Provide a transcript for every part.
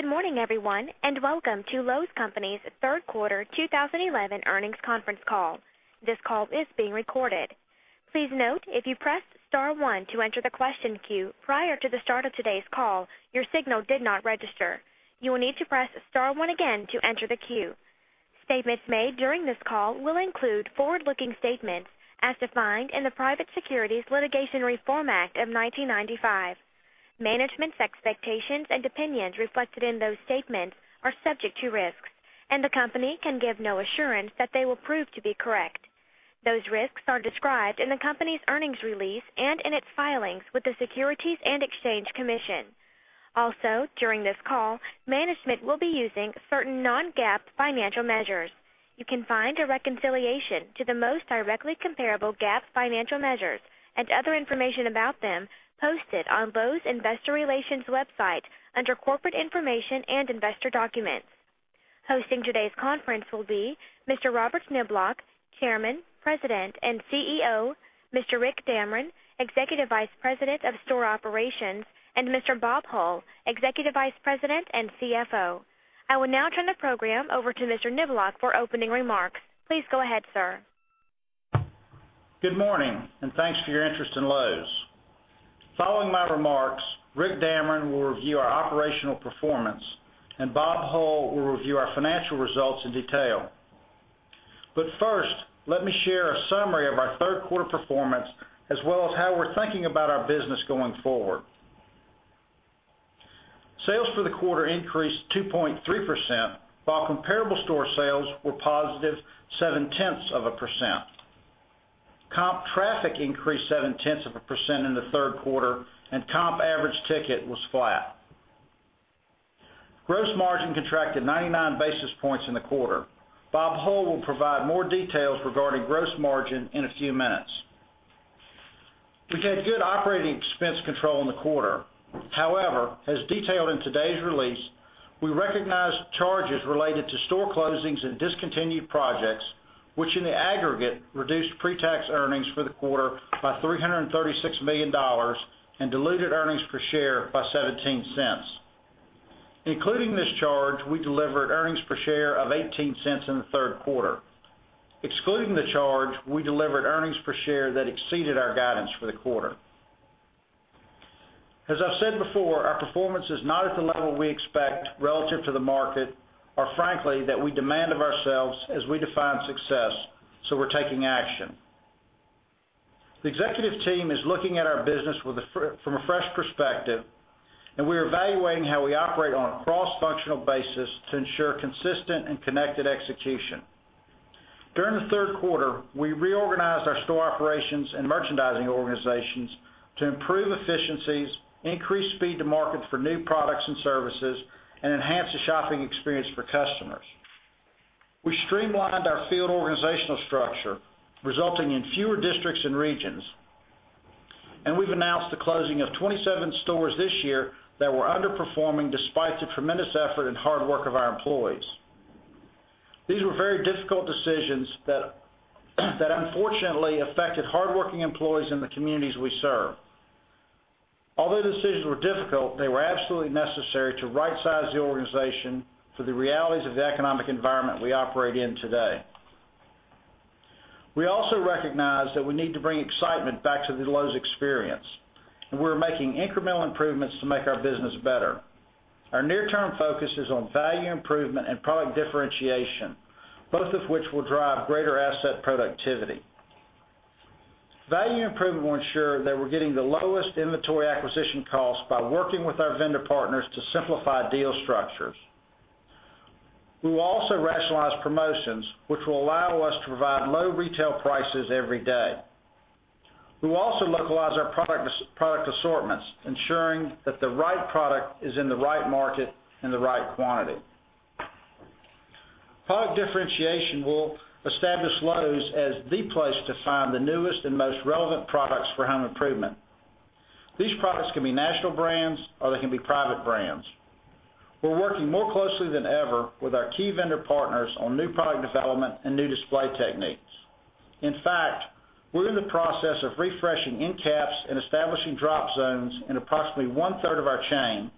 Good morning, everyone, and welcome to Lowe's Companies Third Quarter 2011 Earnings Conference Call. This call is being recorded. Please note, if you pressed star one to enter the question queue prior to the start of today's call, your signal did not register. You will need to press star one again to enter the queue. Statements made during this call will include forward-looking statements as defined in the Private Securities Litigation Reform Act of 1995. Management's expectations and opinions reflected in those statements are subject to risks, and the company can give no assurance that they will prove to be correct. Those risks are described in the company's earnings release and in its filings with the Securities and Exchange Commission. Also, during this call, management will be using certain non-GAAP financial measures. You can find a reconciliation to the most directly comparable GAAP financial measures and other information about them posted on Lowe's Investor Relations website under Corporate Information and Investor Documents. Hosting today's conference will be Mr. Robert Niblock, Chairman, President, and CEO, Mr. Rick Damron, Executive Vice President of Store Operations, and Mr. Bob Hull, Executive Vice President and CFO. I will now turn the program over to Mr. Niblock for opening remarks. Please go ahead, sir. Good morning, and thanks for your interest in Lowe's. Following my remarks, Rick Damron will review our operational performance, and Bob Hull will review our financial results in detail. First, let me share a summary of our third quarter performance, as well as how we're thinking about our business going forward. Sales for the quarter increased 2.3%, while comparable store sales were +0.7%. Comp traffic increased 0.7% in the third quarter, and comp average ticket was flat. Gross margin contracted 99 basis points in the quarter. Bob Hull will provide more details regarding gross margin in a few minutes. We had good operating expense control in the quarter. However, as detailed in today's release, we recognized charges related to store closings and discontinued projects, which in the aggregate reduced pre-tax earnings for the quarter by $336 million and diluted earnings per share by $0.17. Including this charge, we delivered earnings per share of $0.18 in the third quarter. Excluding the charge, we delivered earnings per share that exceeded our guidance for the quarter. As I've said before, our performance is not at the level we expect relative to the market, or frankly, that we demand of ourselves as we define success, so we're taking action. The executive team is looking at our business from a fresh perspective, and we're evaluating how we operate on a cross-functional basis to ensure consistent and connected execution. During the third quarter, we reorganized our store operations and merchandising organizations to improve efficiencies, increase speed to market for new products and services, and enhance the shopping experience for customers. We streamlined our field organizational structure, resulting in fewer districts and regions, and we've announced the closing of 27 stores this year that were underperforming despite the tremendous effort and hard work of our employees. These were very difficult decisions that unfortunately affected hardworking employees in the communities we serve. Although the decisions were difficult, they were absolutely necessary to right-size the organization for the realities of the economic environment we operate in today. We also recognize that we need to bring excitement back to the Lowe's experience, and we're making incremental improvements to make our business better. Our near-term focus is on value improvement and product differentiation, both of which will drive greater asset productivity. Value improvement will ensure that we're getting the lowest inventory acquisition costs by working with our vendor partners to simplify deal structures. We will also rationalize promotions, which will allow us to provide low retail prices every day. We will also localize our product assortments, ensuring that the right product is in the right market in the right quantity. Product differentiation will establish Lowe's as the place to find the newest and most relevant products for home improvement. These products can be national brands, or they can be private brands. We're working more closely than ever with our key vendor partners on new product development and new display techniques. In fact, we're in the process of refreshing in-caps and establishing drop zones in approximately one-third of our chain,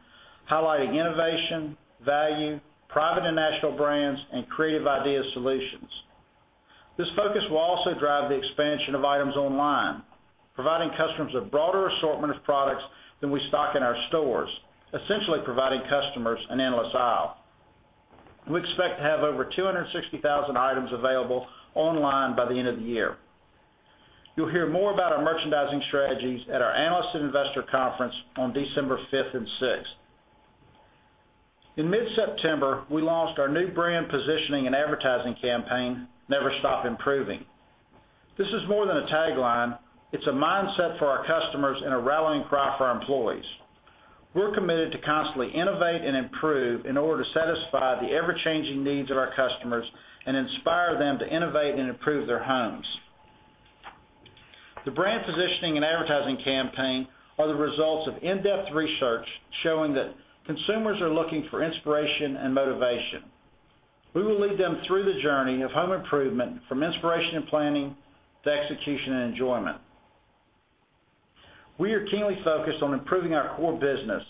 highlighting innovation, value, private and national brands, and creative ideas solutions. This focus will also drive the expansion of items online, providing customers a broader assortment of products than we stock in our stores, essentially providing customers an endless aisle. We expect to have over 260,000 items available online by the end of the year. You'll hear more about our merchandising strategies at our analysts and investor conference on December 5th and 6th. In mid-September, we launched our new brand positioning and advertising campaign, Never Stop Improving. This is more than a tagline, it's a mindset for our customers and a rallying cry for our employees. We're committed to constantly innovate and improve in order to satisfy the ever-changing needs of our customers and inspire them to innovate and improve their homes. The brand positioning and advertising campaign are the results of in-depth research showing that consumers are looking for inspiration and motivation. We will lead them through the journey of home improvement from inspiration and planning to execution and enjoyment. We are keenly focused on improving our core business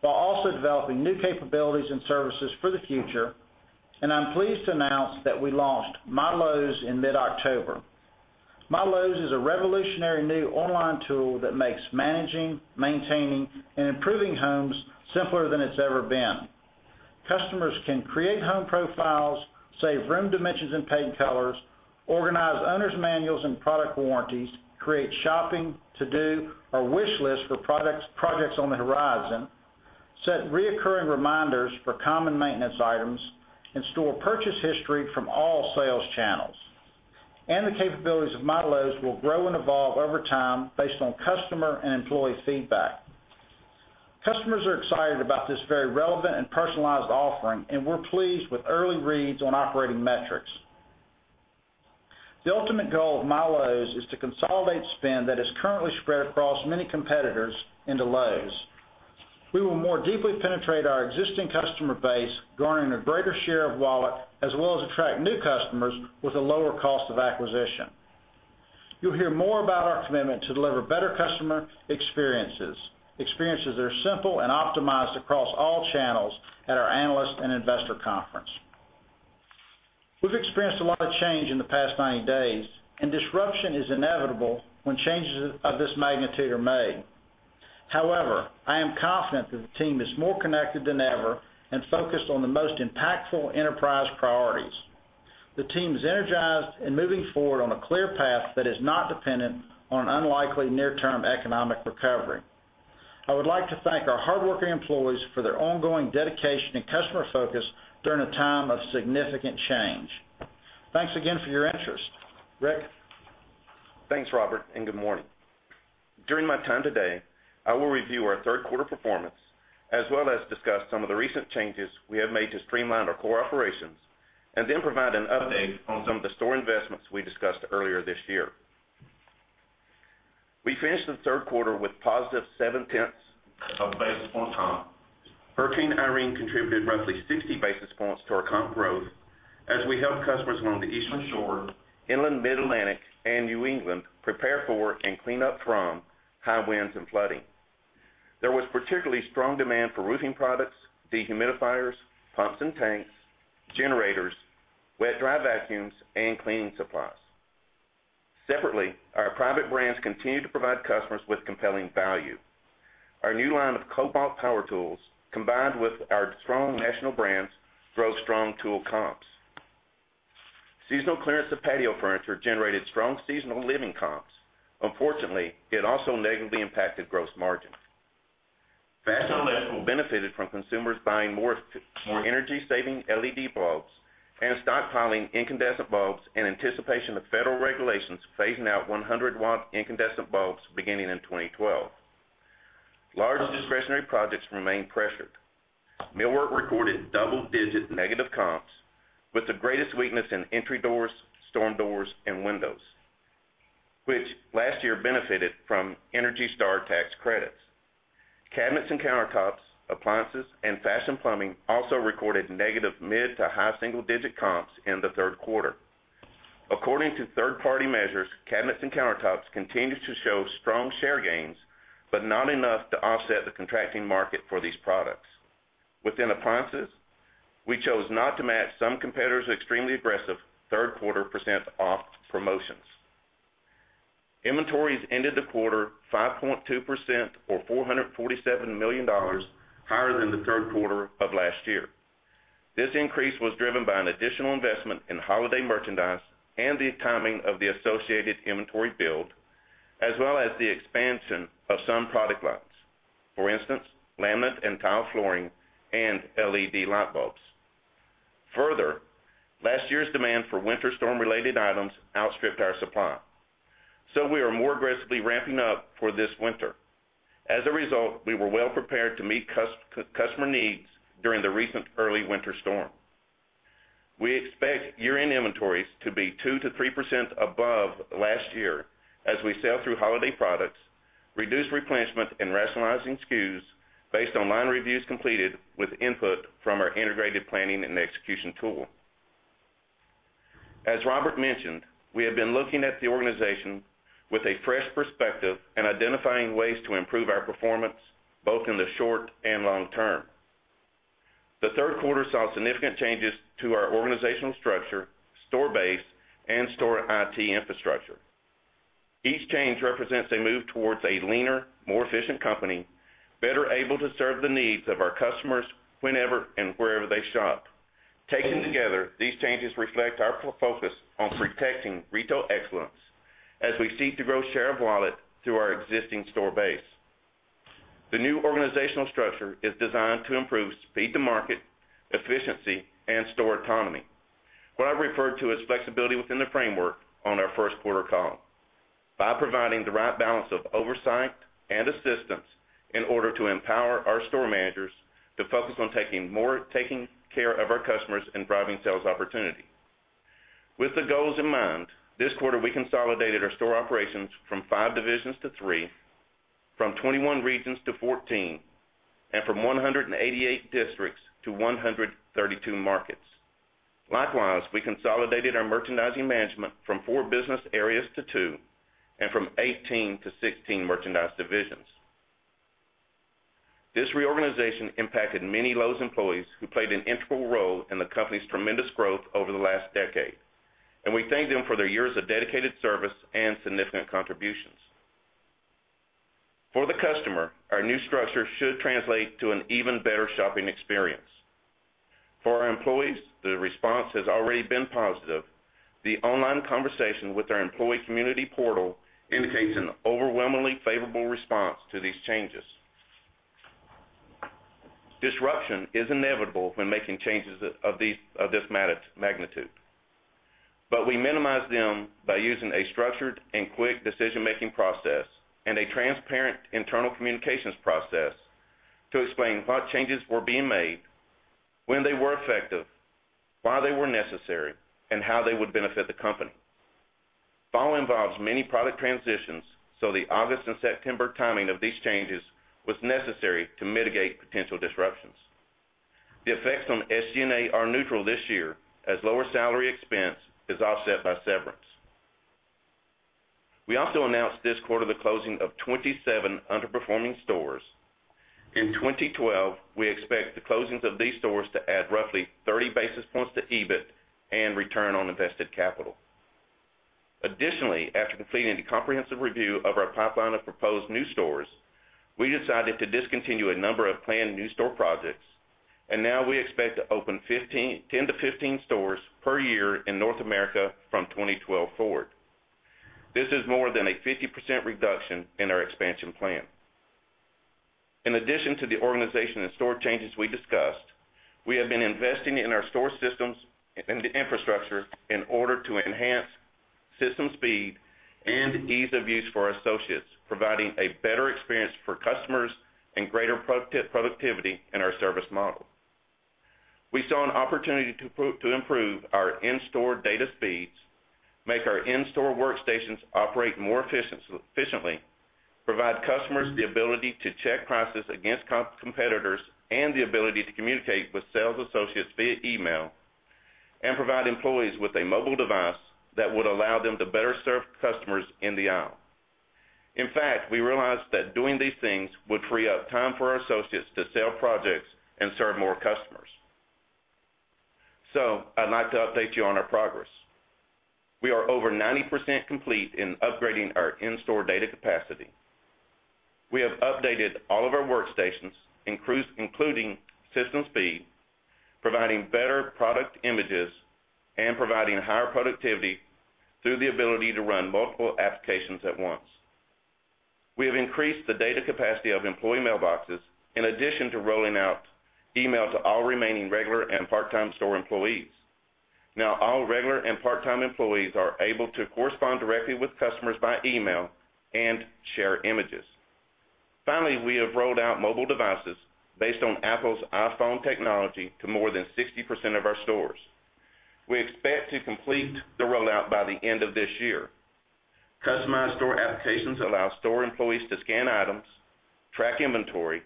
while also developing new capabilities and services for the future, and I'm pleased to announce that we launched MyLowe's in mid-October. MyLowe's is a revolutionary new online tool that makes managing, maintaining, and improving homes simpler than it's ever been. Customers can create home profiles, save room dimensions and paint colors, organize owner's manuals and product warranties, create shopping to-do or wish lists for projects on the horizon, set recurring reminders for common maintenance items, and store purchase history from all sales channels. The capabilities of MyLowe's will grow and evolve over time based on customer and employee feedback. Customers are excited about this very relevant and personalized offering, and we're pleased with early reads on operating metrics. The ultimate goal of MyLowe's is to consolidate spend that is currently spread across many competitors into Lowe's. We will more deeply penetrate our existing customer base, garnering a greater share of wallet, as well as attract new customers with a lower cost of acquisition. You'll hear more about our commitment to deliver better customer experiences, experiences that are simple and optimized across all channels at our analyst and investor conference. We've experienced a lot of change in the past 90 days, and disruption is inevitable when changes of this magnitude are made. However, I am confident that the team is more connected than ever and focused on the most impactful enterprise priorities. The team is energized and moving forward on a clear path that is not dependent on an unlikely near-term economic recovery. I would like to thank our hardworking employees for their ongoing dedication and customer focus during a time of significant change. Thanks again for your interest, Rick. Thanks, Robert, and good morning. During my time today, I will review our third quarter performance, as well as discuss some of the recent changes we have made to streamline our core operations, and then provide an update on some of the store investments we discussed earlier this year. We finished the third quarter with +0.7 basis points high. Hurricane Irene contributed roughly 60 basis points to our comp growth, as we helped customers along the Eastern Shore, Inland Mid-Atlantic, and New England prepare for and clean up from high winds and flooding. There was particularly strong demand for roofing products, dehumidifiers, pumps and tanks, generators, wet/dry vacuums, and cleaning supplies. Separately, our private brands continue to provide customers with compelling value. Our new line of Kobalt power tools, combined with our strong national brands, drove strong tool comps. Seasonal clearance of patio furniture generated strong seasonal living comps. Unfortunately, it also negatively impacted gross margin. Fast LEDs benefited from consumers buying more energy-saving LED bulbs and stockpiling incandescent bulbs in anticipation of federal regulations phasing out 100-W incandescent bulbs beginning in 2012. Large discretionary projects remain pressured. Millwork recorded double-digit negative comps, with the greatest weakness in entry doors, storm doors, and windows, which last year benefited from Energy Star tax credits. Cabinets and countertops, appliances, and fashion plumbing also recorded negative mid to high single-digit comps in the third quarter. According to third-party measures, cabinets and countertops continue to show strong share gains, but not enough to offset the contracting market for these products. Within appliances, we chose not to match some competitors' extremely aggressive third quarter % off promotions. Inventories ended the quarter 5.2% or $447 million higher than the third quarter of last year. This increase was driven by an additional investment in holiday merchandise and the timing of the associated inventory build, as well as the expansion of some product lines. For instance, laminate and tile flooring and LED light bulbs. Further, last year's demand for winter storm-related items outstripped our supply, so we are more aggressively ramping up for this winter. As a result, we were well prepared to meet customer needs during the recent early winter storm. We expect year-end inventories to be 2%-3% above last year as we sell through holiday products, reduce replenishment, and rationalize SKUs based on line reviews completed with input from our integrated planning and execution tool. As Robert mentioned, we have been looking at the organization with a fresh perspective and identifying ways to improve our performance both in the short and long term. The third quarter saw significant changes to our organizational structure, store base, and store IT infrastructure. Each change represents a move towards a leaner, more efficient company, better able to serve the needs of our customers whenever and wherever they shop. Taken together, these changes reflect our focus on protecting retail excellence as we seek to grow share of wallet through our existing store base. The new organizational structure is designed to improve speed to market, efficiency, and store autonomy, what I refer to as flexibility within the framework on our first quarter call. By providing the right balance of oversight and assistance in order to empower our store managers to focus on taking care of our customers and driving sales opportunity. With the goals in mind, this quarter we consolidated our store operations from five divisions to three, from 21 regions to 14, and from 188 districts to 132 markets. Likewise, we consolidated our merchandising management from four business areas to two and from 18 to 16 merchandise divisions. This reorganization impacted many Lowe's employees who played an integral role in the company's tremendous growth over the last decade, and we thank them for their years of dedicated service and significant contributions. For the customer, our new structure should translate to an even better shopping experience. For our employees, the response has already been positive. The online conversation with our employee community portal indicates an overwhelmingly favorable response to these changes. Disruption is inevitable when making changes of this magnitude, but we minimize them by using a structured and quick decision-making process and a transparent internal communications process to explain what changes were being made, when they were effective, why they were necessary, and how they would benefit the company. Fall involves many product transitions, so the August and September timing of these changes was necessary to mitigate potential disruptions. The effects on SG&A are neutral this year as lower salary expense is offset by severance. We also announced this quarter the closing of 27 underperforming stores. In 2012, we expect the closings of these stores to add roughly 30 basis points to EBIT and return on invested capital. Additionally, after completing a comprehensive review of our pipeline of proposed new stores, we decided to discontinue a number of planned new store projects, and now we expect to open 10-15 stores per year in North America from 2012 forward. This is more than a 50% reduction in our expansion plan. In addition to the organization and store changes we discussed, we have been investing in our store systems and infrastructure in order to enhance system speed and ease of use for associates, providing a better experience for customers and greater productivity in our service model. We saw an opportunity to improve our in-store data speeds, make our in-store workstations operate more efficiently, provide customers the ability to check prices against competitors and the ability to communicate with sales associates via email, and provide employees with a mobile device that would allow them to better serve customers in the aisle. In fact, we realized that doing these things would free up time for our associates to sell projects and serve more customers. I'd like to update you on our progress. We are over 90% complete in upgrading our in-store data capacity. We have updated all of our workstations, including system speed, providing better product images, and providing higher productivity through the ability to run multiple applications at once. We have increased the data capacity of employee mailboxes in addition to rolling out email to all remaining regular and part-time store employees. Now all regular and part-time employees are able to correspond directly with customers by email and share images. Finally, we have rolled out mobile devices based on Apple iPhone technology to more than 60% of our stores. We expect to complete the rollout by the end of this year. Customized store applications allow store employees to scan items, track inventory,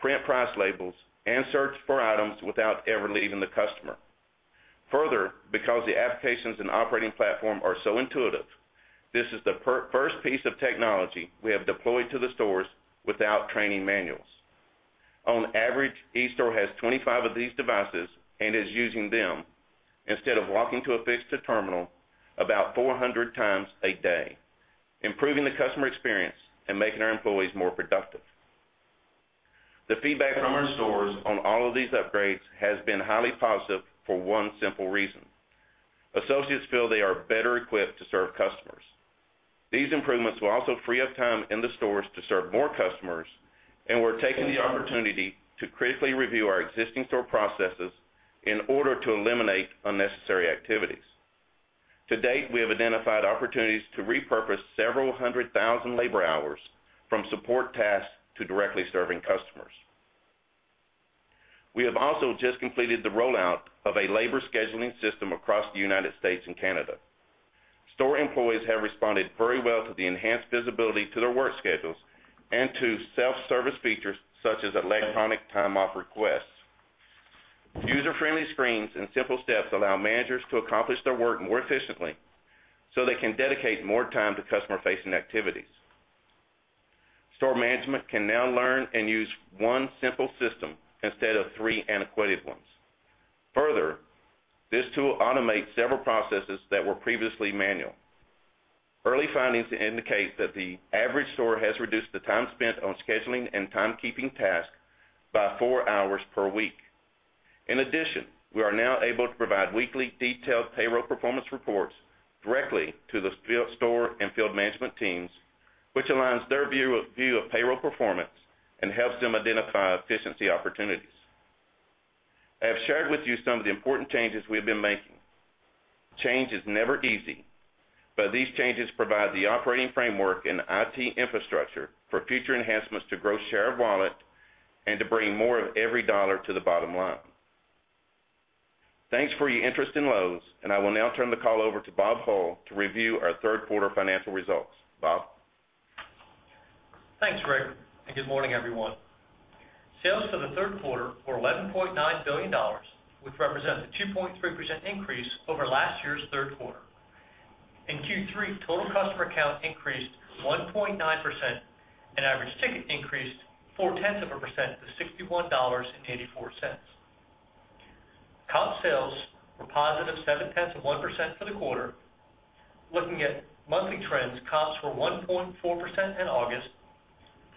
print price labels, and search for items without ever leaving the customer. Further, because the applications and operating platform are so intuitive, this is the first piece of technology we have deployed to the stores without training manuals. On average, each store has 25 of these devices and is using them instead of walking to a fixed terminal about 400 times a day, improving the customer experience and making our employees more productive. The feedback from our stores on all of these upgrades has been highly positive for one simple reason: associates feel they are better equipped to serve customers. These improvements will also free up time in the stores to serve more customers, and we're taking the opportunity to critically review our existing store processes in order to eliminate unnecessary activities. To date, we have identified opportunities to repurpose several hundred thousand labor hours from support tasks to directly serving customers. We have also just completed the rollout of a labor scheduling system across the United States and Canada. Store employees have responded very well to the enhanced visibility to their work schedules and to self-service features such as electronic time-off requests. User-friendly screens and simple steps allow managers to accomplish their work more efficiently so they can dedicate more time to customer-facing activities. Store management can now learn and use one simple system instead of three antiquated ones. Further, this tool automates several processes that were previously manual. Early findings indicate that the average store has reduced the time spent on scheduling and timekeeping tasks by four hours per week. In addition, we are now able to provide weekly detailed payroll performance reports directly to the store and field management teams, which aligns their view of payroll performance and helps them identify efficiency opportunities. I have shared with you some of the important changes we have been making. Change is never easy, but these changes provide the operating framework and IT infrastructure for future enhancements to grow share of wallet and to bring more of every dollar to the bottom line. Thanks for your interest in Lowe's, and I will now turn the call over to Bob Hull to review our third quarter financial results. Bob? Thanks, Greg, and good morning, everyone. Sales for the third quarter were $11.9 billion, which represents a 2.3% increase over last year's third quarter. In Q3, total customer count increased 1.9%, and average ticket increased 0.4% to $61.84. Comp sales were +0.7% for the quarter. Looking at monthly trends, comps were 1.4% in August,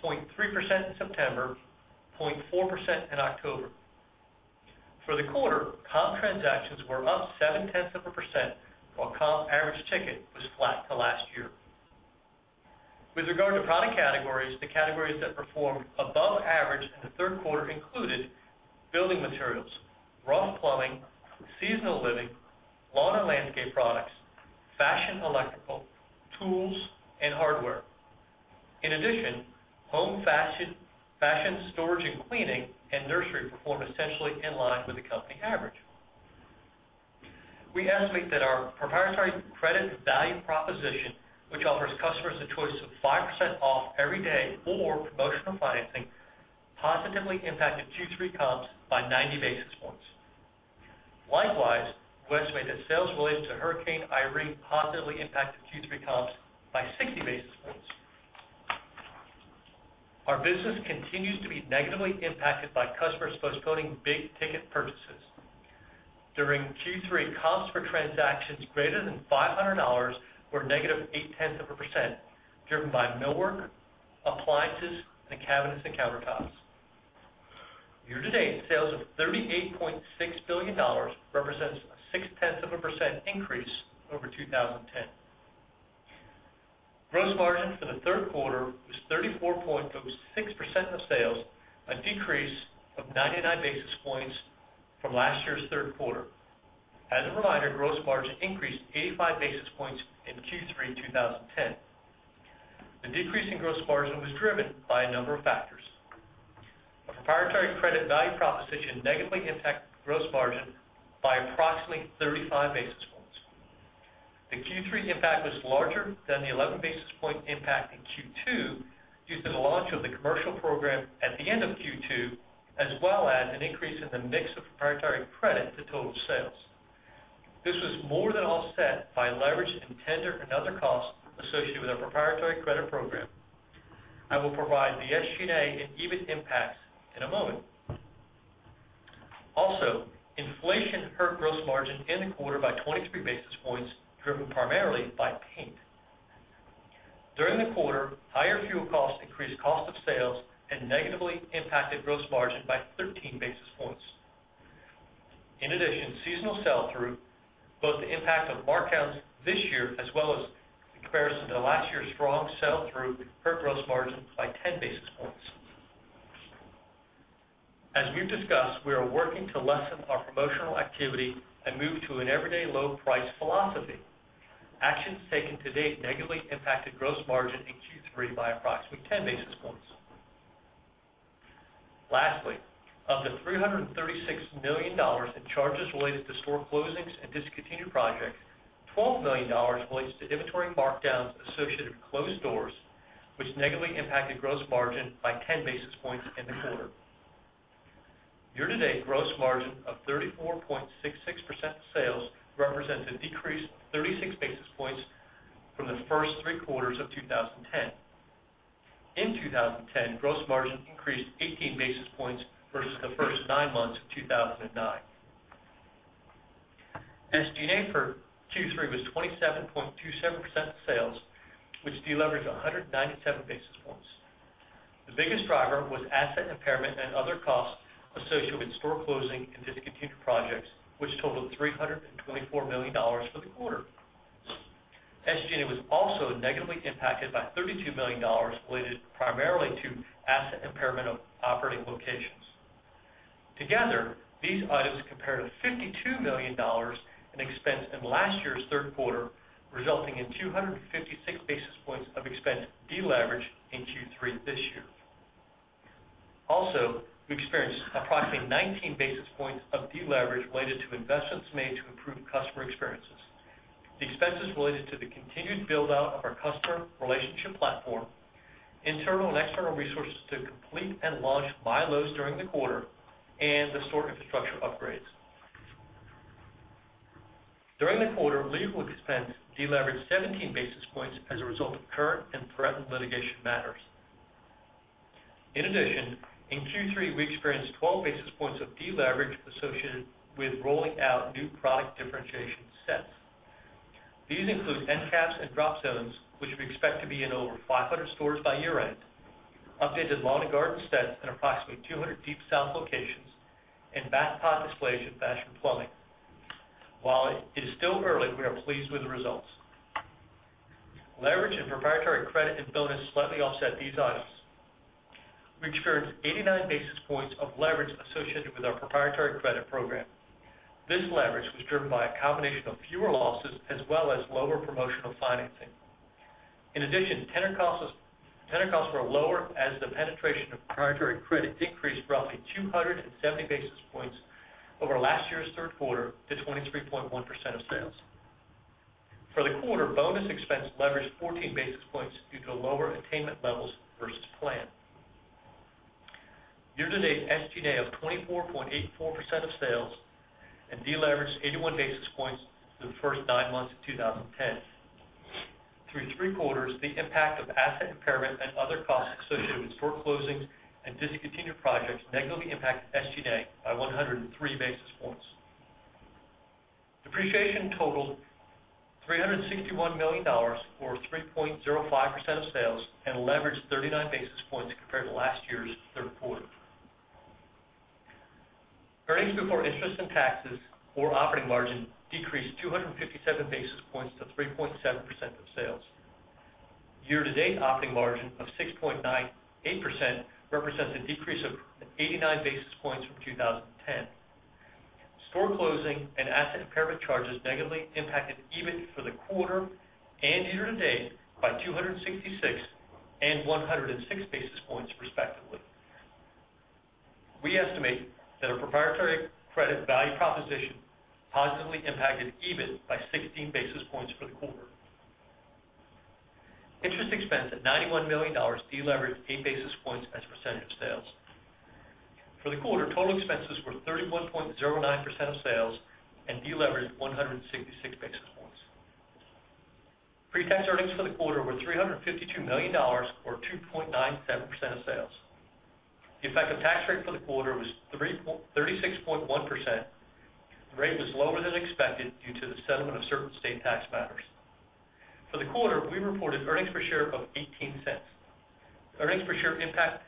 0.3% in September, 0.4% in October. For the quarter, comp transactions were about 0.7%, while comp average ticket was flat to last year. With regard to product categories, the categories that performed above average in the third quarter included building materials, rough plumbing, seasonal living, lawn and landscape products, fashion electrical, tools, and hardware. In addition, home fashion storage and cleaning and nursery performed essentially in line with the company average. We estimate that our proprietary credit value proposition, which offers customers a choice of 5% off every day or promotional financing, positively impacted Q3 comps by 90 basis points. Likewise, we estimate that sales related to Hurricane Irene positively impacted Q3 comps by 60 basis points. Our business continues to be negatively impacted by customers postponing big ticket purchases. During Q3, comps for transactions greater than $500 were -0.8%, driven by millwork, appliances, and cabinets and countertops. Year-to-date sales of $38.6 billion represents a 0.6% increase over 2010. Gross margin for the third quarter was 34.06% of sales, a decrease of 99 basis points from last year's third quarter. As a reminder, gross margin increased 85 basis points in Q3 in 2010. The decrease in gross margin was driven by a number of factors. A proprietary credit value process should negatively impact gross margin by approximately 35 basis points. The Q3 impact was larger than the 11 basis point impact in Q2 due to the launch of the commercial program at the end of Q2, as well as an increase in the mix of proprietary credit to total sales. This was more than offset by leverage and tender and other costs associated with our proprietary credit program. I will provide the SG&A and EBIT impacts in a moment. Also, inflation hurt gross margin in the quarter by 23 basis points, driven primarily by paint. During the quarter, higher fuel costs increased cost of sales and negatively impacted gross margin by 13 basis points. In addition, seasonal sell-through, both the impact of markdowns this year as well as in comparison to last year's strong sell-through, hurt gross margin by 10 basis points. As we've discussed, we are working to lessen our promotional activity and move to an everyday low price philosophy. Actions taken to date negatively impacted gross margin in Q3 by approximately 10 basis points. Lastly, of the $336 million in charges related to store closings and discontinued projects, $12 million relates to inventory markdowns associated with closed doors, which negatively impacted gross margin by 10 basis points in the quarter. Year-to-date gross margin of 34.66% of sales represents a decrease of 36 basis points from the first three quarters of 2010. In 2010, gross margin increased 18 basis points versus the first nine months of 2009. SG&A for Q3 was 27.27% of sales, which deleveraged 197 basis points. The biggest driver was asset impairment and other costs associated with store closing and discontinued projects, which totaled $324 million for the quarter. SG&A was also negatively impacted by $32 million related primarily to asset impairment of operating locations. Together, these items compared to $52 million in expense in last year's third quarter, resulting in 256 basis points of expense deleveraged in Q3 this year. Also, we experienced approximately 19 basis points of deleverage related to investments made to improve customer experiences. The expenses related to the continued build-out of our customer relationship platform, internal and external resources to complete and launch MyLowe's during the quarter, and the store infrastructure upgrades. During the quarter, legal expense deleveraged 17 basis points as a result of current and threatened litigation matters. In addition, in Q3, we experienced 12 basis points of deleverage associated with rolling out new product differentiation sets. These include in-caps and drop zones, which we expect to be in over 500 stores by year-end, updated lawn and garden sets in approximately 200 deep south locations, and bathtub displays in fashion plumbing. While it is still early, we are pleased with the results. Leverage and proprietary credit and bonus slightly offset these items. We experienced 89 basis points of leverage associated with our proprietary credit program. This leverage was driven by a combination of fewer losses as well as lower promotional financing. In addition, tenant costs were lower as the penetration of proprietary credit decreased roughly 270 basis points over last year's third quarter to 23.1% of sales. For the quarter, bonus expense leveraged 14 basis points due to lower attainment levels versus planned. Year-to-date SG&A of 24.84% of sales and deleveraged 81 basis points through the first nine months of 2010. Through three quarters, the impact of asset impairment and other costs associated with store closings and discontinued projects negatively impacted SG&A by 103 basis points. Depreciation totaled $361 million for 3.05% of sales and leveraged 39 basis points compared to last year's third quarter. Earnings before interest and taxes or operating margin decreased 257 basis points to 3.7% of sales. Year-to-date operating margin of 6.98% represents a decrease of 89 basis points from 2010. Store closing and asset impairment charges negatively impacted EBIT for the quarter and year to date by 266 and 106 basis points, respectively. We estimate that our proprietary credit value proposition positively impacted EBIT by 16 basis points for the quarter. Interest expense of $91 million deleveraged 8 basis points as a percentage of sales. For the quarter, total expenses were 31.09% of sales and deleveraged 166 basis points. Pre-tax earnings for the quarter were $352 million or 2.97% of sales. The effective tax rate for the quarter was 36.1%. The rate was lower than expected due to the settlement of certain state tax matters. For the quarter, we reported earnings per share of $0.18. Earnings per share impact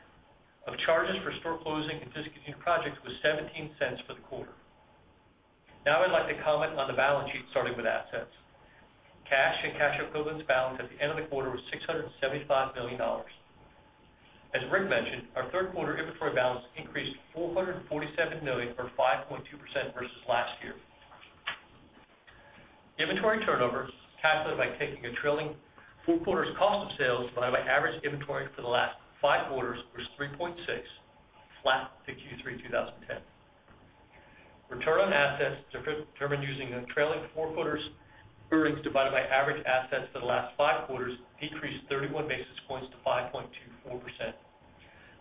of charges for store closing and discontinued projects was $0.17 for the quarter. Now I'd like to comment on the balance sheet starting with assets. Cash and cash equivalents balance at the end of the quarter was $675 million. As Rick mentioned, our third quarter inventory balance increased $447 million or 5.2% versus last year. Inventory turnover calculated by taking a trailing four quarters cost of sales divided by average inventory for the last five quarters was 3.6, flat to Q3 2010. Return on assets determined using a trailing four quarters earnings divided by average assets for the last five quarters decreased 31 basis points to 5.24%.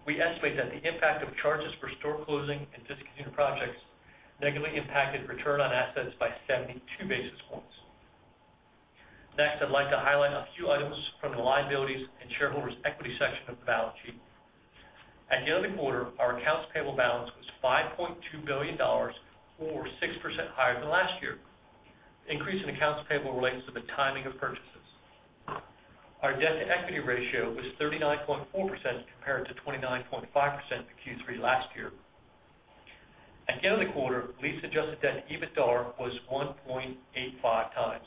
We estimate that the impact of charges for store closing and discontinued projects negatively impacted return on assets by 72 basis points. Next, I'd like to highlight a few items from the liabilities and shareholders' equity section of the balance sheet. At the end of the quarter, our accounts payable balance was $5.2 billion or 6% higher than last year. The increase in accounts payable relates to the timing of purchases. Our debt to equity ratio was 39.4% compared to 29.5% in Q3 last year. At the end of the quarter, lease-adjusted debt to EBITDA was 1.85x.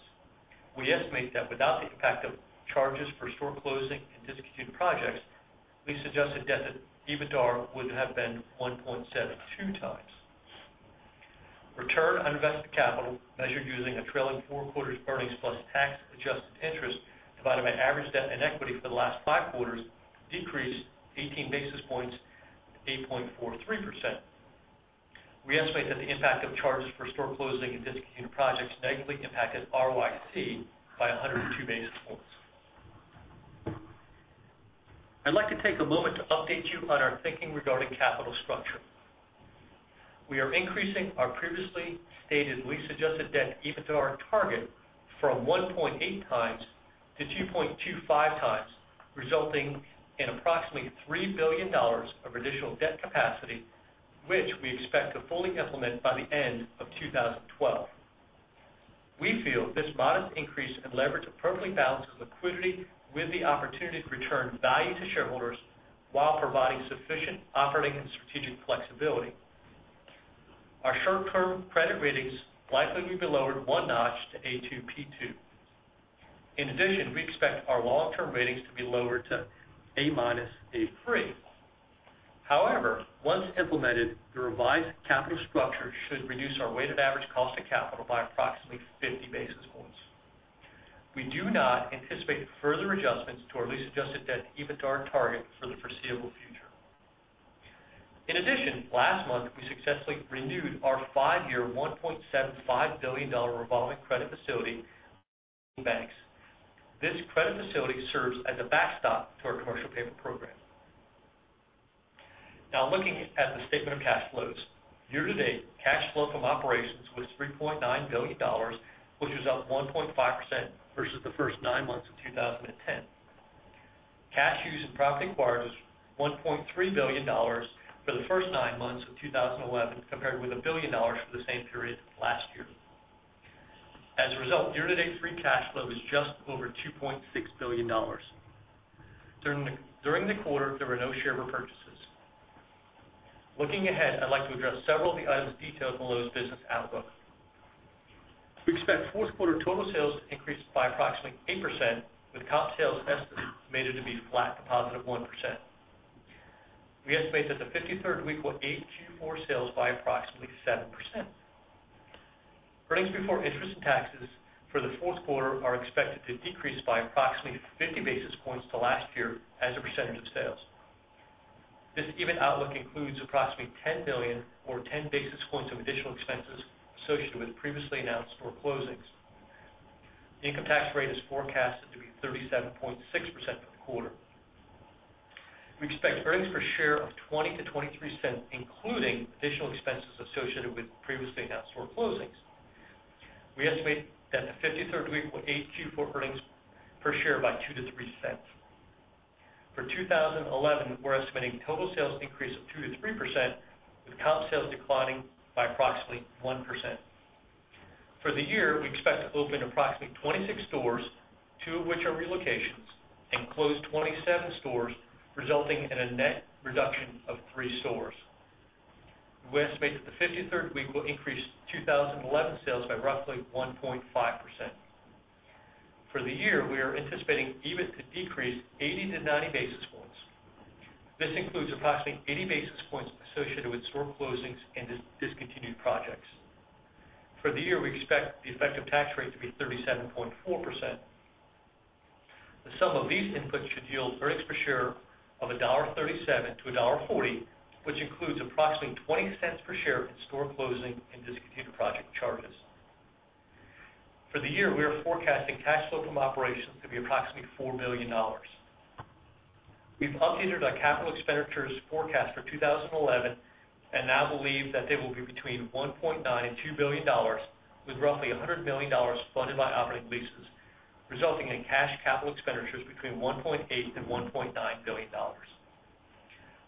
We estimate that without the impact of charges for store closing and discontinued projects, lease-adjusted debt to EBITDA would have been 1.72x. Return on invested capital measured using a trailing four quarters earnings plus tax-adjusted interest divided by average debt and equity for the last five quarters decreased 18 basis points to 8.43%. We estimate that the impact of charges for store closing and discontinued projects negatively impacted ROIC by 102 basis points. I'd like to take a moment to update you on our thinking regarding capital structure. We are increasing our previously stated lease-adjusted debt to EBITDA target from 1.8x to 2.25x, resulting in approximately $3 billion of additional debt capacity, which we expect to fully implement by the end of 2012. We feel this modest increase in leverage appropriately balances liquidity with the opportunity to return value to shareholders while providing sufficient operating and strategic flexibility. Our short-term credit ratings likely will be lowered one notch to A-2 P-2. In addition, we expect our long-term ratings to be lowered to A-/A3. However, once implemented, the revised capital structure should reduce our weighted average cost of capital by approximately 50 basis points. We do not anticipate further adjustments to our lease-adjusted debt to EBITDA target for the foreseeable future. In addition, last month we successfully renewed our five-year $1.75 billion revolving credit facility in banks. This credit facility serves as a backstop to our commercial payment program. Now looking at the statement of cash flows, year to date, cash flow from operations was $3.9 billion, which was up 1.5% versus the first nine months of 2010. Cash used in property acquired was $1.3 billion for the first nine months of 2011, compared with $1 billion for the same period last year. As a result, year to date free cash flow is just over $2.6 billion. During the quarter, there were no share repurchases. Looking ahead, I'd like to address several of the items detailed in Lowe's business outlook. We expect fourth quarter total sales increased by approximately 8%, with comp sales estimated to be flat to +1%. We estimate that the 53rd week will aid Q4 sales by approximately 7%. Earnings before interest and taxes for the fourth quarter are expected to decrease by approximately 50 basis points to last year as a percentage of sales. This EBIT outlook includes approximately $10 million or 10 basis points of additional expenses associated with previously announced store closings. The income tax rate is forecasted to be 37.6% for the quarter. We expect earnings per share of $0.20-$0.23, including additional expenses associated with previously announced store closings. We estimate that the 53rd week will aid Q4 earnings per share by $0.02-$0.03. For 2011, we're estimating total sales increase of 2%-3%, with comp sales declining by approximately 1%. For the year, we expect to open approximately 26 stores, two of which are relocations, and close 27 stores, resulting in a net reduction of three stores. We estimate that the 53rd week will increase 2011 sales by roughly 1.5%. For the year, we are anticipating EBIT to decrease 80-90 basis points. This includes approximately 80 basis points associated with store closings and discontinued projects. For the year, we expect the effective tax rate to be 37.4%. The sum of these inputs should yield earnings per share of $1.37-$1.40, which includes approximately $0.20 per share in store closing and discontinued project charges. For the year, we are forecasting cash flow from operations to be approximately $4 billion. We've updated our capital expenditures forecast for 2011 and now believe that they will be between $1.9 billion and $2 billion, with roughly $100 million funded by operating leases, resulting in cash capital expenditures between $1.8 billion and $1.9 billion.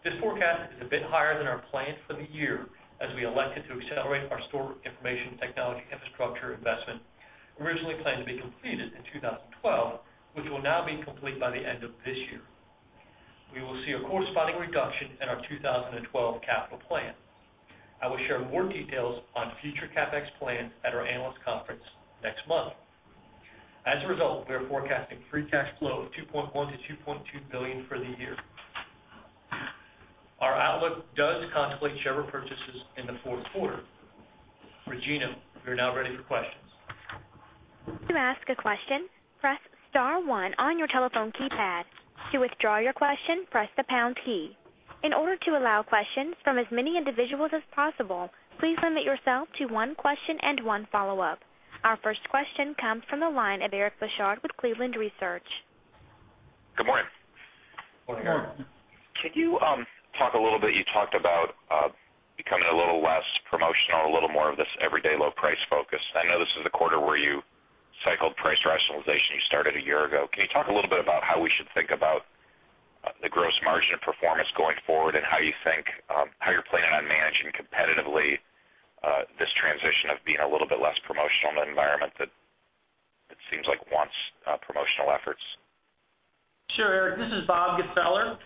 This forecast is a bit higher than our plan for the year, as we elected to accelerate our store information technology infrastructure investment originally planned to be completed in 2012, which will now be complete by the end of this year. We will see a corresponding reduction in our 2012 capital plan. I will share more details on future CapEx plans at our analyst conference next month. As a result, we are forecasting free cash flow of $2.1 billion-$2.2 billion for the year. Our outlook does contemplate share purchases in the fourth quarter. Regina, we are now ready for questions. To ask a question, press star one on your telephone keypad. To withdraw your question, press the pound key. In order to allow questions from as many individuals as possible, please limit yourself to one question and one follow-up. Our first question comes from the line of Eric Bosshard with Cleveland Research. Good morning. Morning, guys. Could you talk a little bit? You talked about becoming a little less promotional and a little more of this Every Day Low Price focus. I know this is the quarter where you cycled price rationalization you started a year ago. Can you talk a little bit about how we should think about the gross margin of performance going forward and how you think how you're planning on managing competitively this transition of being a little bit less promotional in an environment that seems like wants promotional efforts? Sure, Eric. This is Bob Gfeller.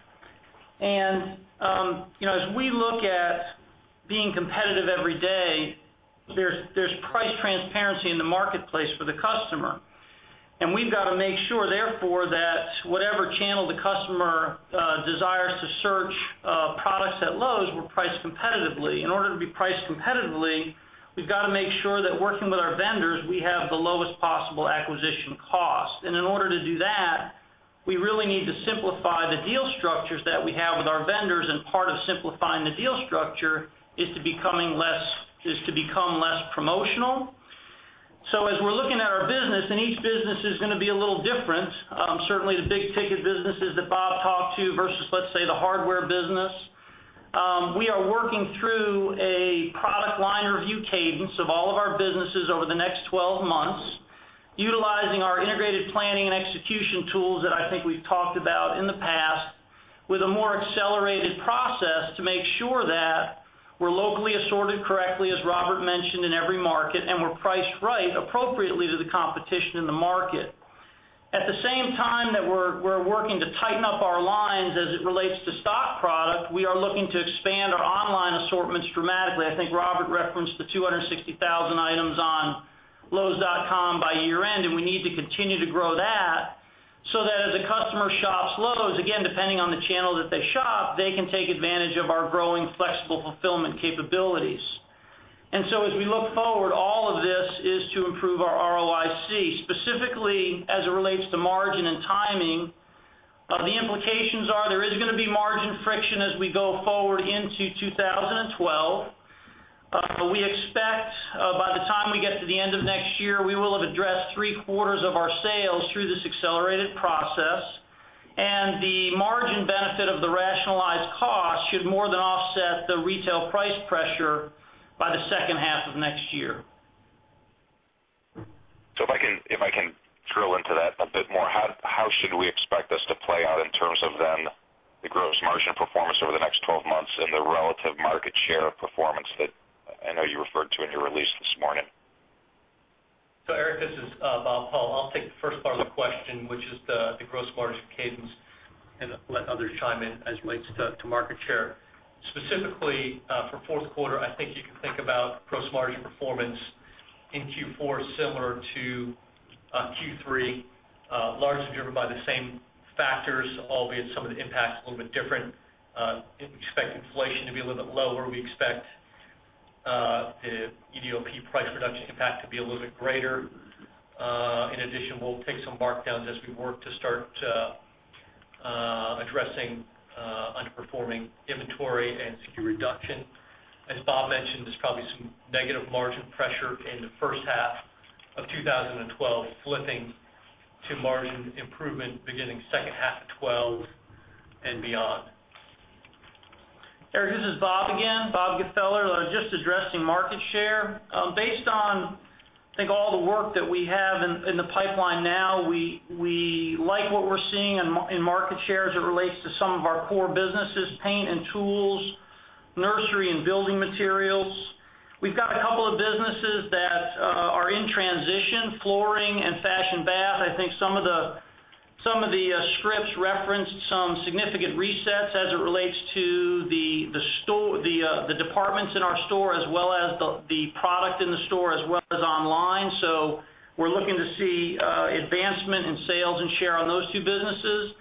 As we look at being competitive every day, there is price transparency in the marketplace for the customer. We have to make sure, therefore, that whatever channel the customer desires to search products at Lowe's, we are priced competitively. In order to be priced competitively, we have to make sure that, working with our vendors, we have the lowest possible acquisition cost. In order to do that, we really need to simplify the deal structures that we have with our vendors. Part of simplifying the deal structure is to become less promotional. As we are looking at our business, and each business is going to be a little different, certainly the big ticket businesses that Bob talked to versus, let's say, the hardware business, we are working through a product line review cadence of all of our businesses over the next 12 months, utilizing our integrated planning and execution tools that I think we have talked about in the past, with a more accelerated process to make sure that we are locally assorted correctly, as Robert mentioned, in every market, and we are priced right appropriately to the competition in the market. At the same time that we are working to tighten up our lines as it relates to stock product, we are looking to expand our online assortments dramatically. I think Robert referenced the 260,000 items on lowes.com by year-end, and we need to continue to grow that so that as a customer shops Lowe's, again, depending on the channel that they shop, they can take advantage of our growing flexible fulfillment capabilities. As we look forward, all of this is to improve our ROIC, specifically as it relates to margin and timing. The implications are there is going to be margin friction as we go forward into 2012. We expect by the time we get to the end of next year, we will have addressed three quarters of our sales through this accelerated process. The margin benefit of the rationalized cost should more than offset the retail price pressure by the second half of next year. If I can drill into that a bit more, how should we expect this to play out in terms of the gross margin performance over the next 12 months and the relative market share performance that I know you referred to in your release this morning? Eric, this is Bob Hull. I'll take the first part of the question, which is the gross margin cadence, and let others chime in as it relates to market share. Specifically for fourth quarter, I think you can think about gross margin performance in Q4 similar to Q3, largely driven by the same factors, albeit some of the impacts a little bit different. If we expect inflation to be a little bit lower, we expect the EDLP price reduction impact to be a little bit greater. In addition, we'll take some markdowns as we work to start addressing underperforming inventory and secure reduction. As Bob mentioned, there's probably some negative margin pressure in the first half of 2012 flipping to margin improvement beginning second half of 2012 and beyond. Eric, this is Bob again. Bob Gfeller, just addressing market share. Based on, I think, all the work that we have in the pipeline now, we like what we're seeing in market share as it relates to some of our core businesses: paint and tools, nursery, and building materials. We've got a couple of businesses that are in transition: flooring and fashion bath. I think some of the scripts referenced some significant resets as it relates to the departments in our store, as well as the product in the store, as well as online. We're looking to see advancement in sales and share on those two businesses.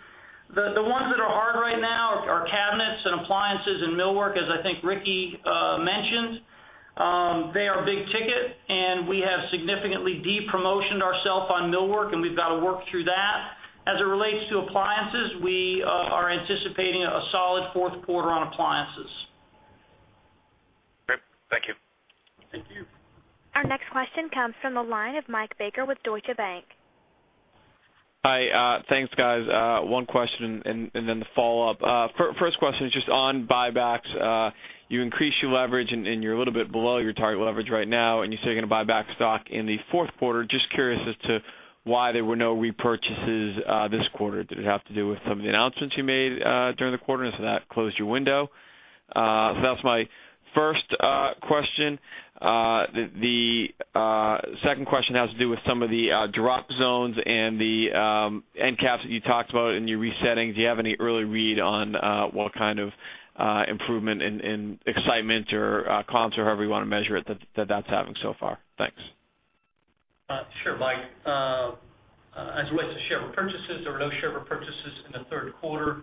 The ones that are hard right now are cabinets and appliances and millwork, as I think Rick mentioned. They are big ticket, and we have significantly de-promotioned ourselves on millwork, and we've got to work through that. As it relates to appliances, we are anticipating a solid fourth quarter on appliances. Great. Thank you. Thank you. Our next question comes from the line of Mike Baker with Deutsche Bank. Hi. Thanks, guys. One question and then the follow-up. First question is just on buybacks. You increased your leverage, and you're a little bit below your target leverage right now, and you say you're going to buy back stock in the fourth quarter. Just curious as to why there were no repurchases this quarter. Did it have to do with some of the announcements you made during the quarter, and so that closed your window? That's my first question. The second question has to do with some of the drop zones and the end caps that you talked about and your resettings. Do you have any early read on what kind of improvement in excitement or comps or however you want to measure it that that's happening so far? Thanks. Sure, Mike. As it relates to share purchases, there were no share purchases in the third quarter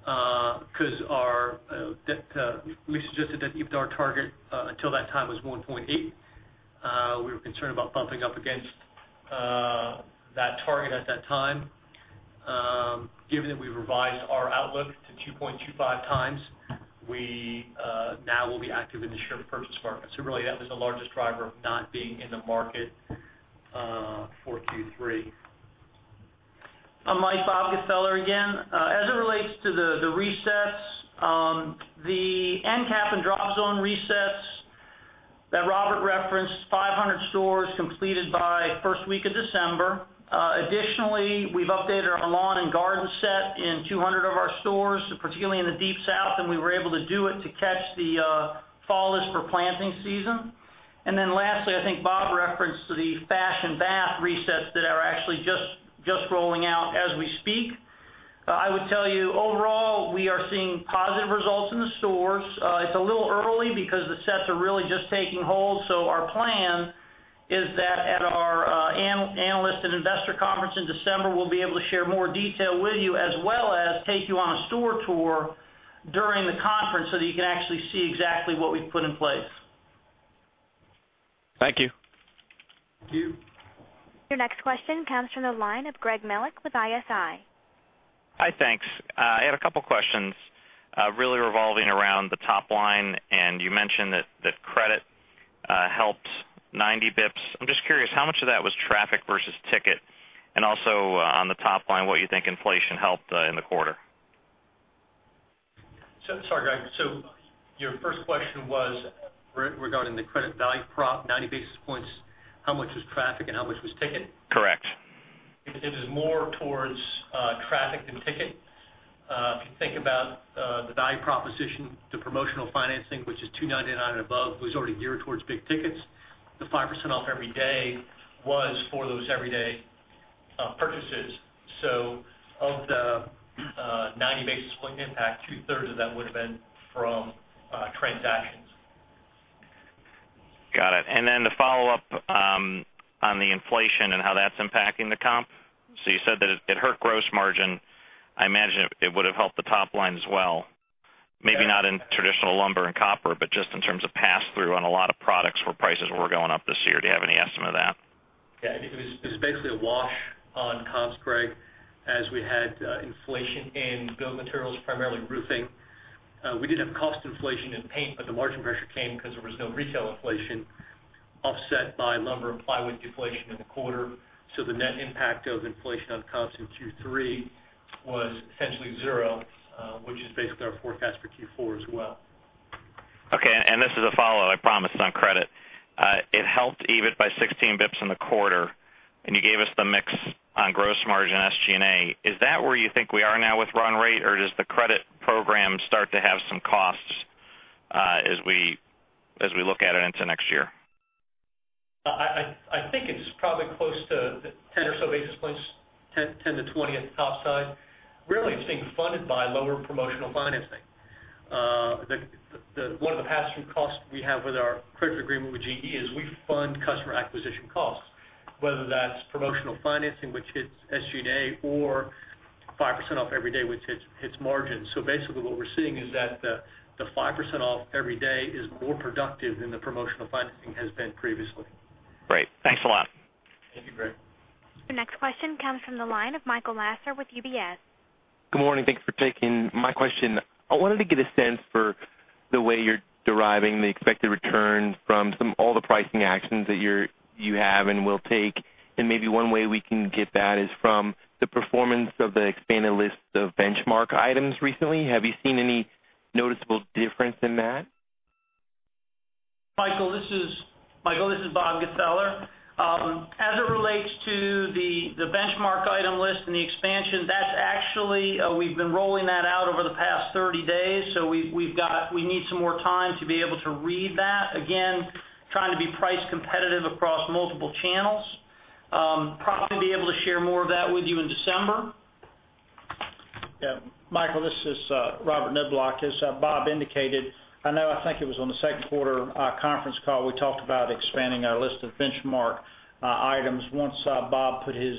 because our lease-adjusted debt to EBITDA target until that time was 1.8. We were concerned about bumping up against that target at that time. Given that we revised our outlook to 2.25x, we now will be active in the share purchase market. That was the largest driver of not being in the market for Q3. I'm Bob Gfeller again. As it relates to the resets, the end cap and drop zone resets that Robert referenced, 500 stores completed by the first week of December. Additionally, we've updated our lawn and garden set in 200 of our stores, particularly in the deep south, and we were able to do it to catch the fall for planting season. Lastly, I think Bob referenced the fashion bath resets that are actually just rolling out as we speak. I would tell you, overall, we are seeing positive results in the stores. It's a little early because the sets are really just taking hold. Our plan is that at our analyst and investor conference in December, we'll be able to share more detail with you, as well as take you on a store tour during the conference so that you can actually see exactly what we've put in place. Thank you. Thank you. Your next question comes from the line of Greg Melich with ISI. Hi, thanks. I had a couple of questions really revolving around the top line, and you mentioned that credit helps 90 bps. I'm just curious, how much of that was traffic versus ticket? Also, on the top line, what you think inflation helped in the quarter? Greg, your first question was regarding the credit value prop, 90 basis points, how much was traffic and how much was ticket? Correct. Because it was more towards traffic than ticket. If you think about the value proposition to promotional financing, which is $2.99 and above, it was already geared towards big tickets. The 5% off every day was for those everyday purchases. Of the 90 basis point impact, two-thirds of that would have been from transactions. Got it. The follow-up on the inflation and how that's impacting the comp. You said that it hurt gross margin. I imagine it would have helped the top line as well, maybe not in traditional lumber and copper, but just in terms of pass-through on a lot of products where prices were going up this year. Do you have any estimate of that? Yeah, it was basically a wash on comps, Greg, as we had inflation in bill materials, primarily roofing. We did have cost inflation in paint, but the margin pressure came because there was no retail inflation offset by lumber and plywood deflation in the quarter. The net impact of inflation on comps in Q3 was essentially zero, which is basically our forecast for Q4 as well. Okay. This is a follow-up, I promise, on credit. It helped EBIT by 16 basis points in the quarter, and you gave us the mix on gross margin SG&A. Is that where you think we are now with run rate, or does the credit program start to have some costs as we look at it into next year? I think it's probably close to 10 or so basis points, 10-20 at the top side. Really, it's being funded by lower promotional financing. One of the pass-through costs we have with our credit agreement with GE is we fund customer acquisition costs, whether that's promotional financing, which hits SG&A, or 5% off every day, which hits margins. Basically, what we're seeing is that the 5% off every day is more productive than the promotional financing has been previously. Great, thanks a lot. Thank you, Greg. The next question comes from the line of Michael Lasser with UBS. Good morning. Thank you for taking my question. I wanted to get a sense for the way you're deriving the expected return from all the pricing actions that you have and will take. Maybe one way we can get that is from the performance of the expanded list of benchmark items recently. Have you seen any noticeable difference in that? Michael, this is Bob Gfeller. As it relates to the benchmark item list and the expansion, that's actually been rolling out over the past 30 days. We need some more time to be able to read that. Again, trying to be price competitive across multiple channels. Looking to be able to share more of that with you in December. Yeah. Michael, this is Rob Niblock. As Bob indicated, I know I think it was on the second quarter conference call, we talked about expanding our list of benchmark items. Once Bob put his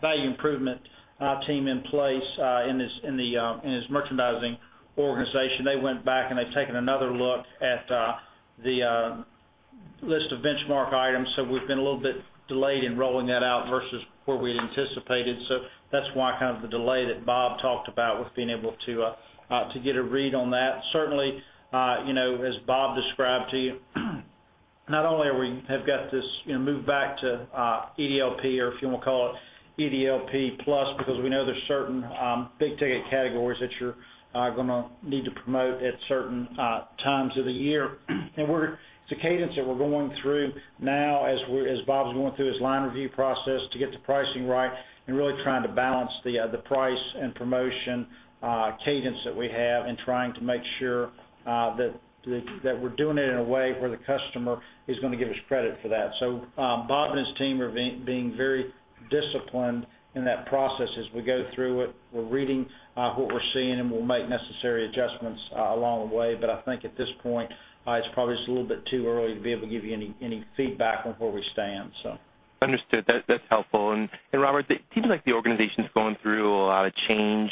value improvement team in place in his merchandising organization, they went back and they've taken another look at the list of benchmark items. We've been a little bit delayed in rolling that out versus where we'd anticipated. That's why kind of the delay that Bob talked about with being able to get a read on that. Certainly, as Bob described to you, not only have we got this move back to EDLP, or if you want to call it EDLP plus, because we know there's certain big ticket categories that you're going to need to promote at certain times of the year. It's a cadence that we're going through now as Bob's going through his line review process to get the pricing right and really trying to balance the price and promotion cadence that we have and trying to make sure that we're doing it in a way where the customer is going to give us credit for that. Bob and his team are being very disciplined in that process as we go through it. We're reading what we're seeing, and we'll make necessary adjustments along the way. I think at this point, it's probably just a little bit too early to be able to give you any feedback on where we stand, so. That's helpful. Robert, it seems like the organization's going through a lot of change